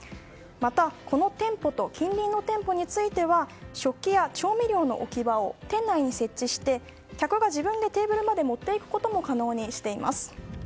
また、この店舗と近隣の店舗については食器や調味料の置き場を店内に設置して客が自分でテーブルまで持っていくことも可能にしています。